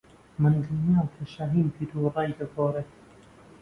من دڵنیام کە شاھین بیروڕای دەگۆڕێت.